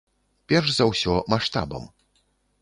Перш за ўсё, маштабам.